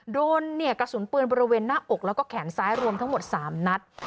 โดนเนี่ยกระสุนปืนบริเวณหน้าอกแล้วก็แขนซ้ายรวมทั้งหมด๓นัด